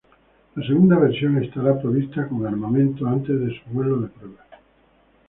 La segunda versión estará provista con armamento antes de su vuelo de prueba.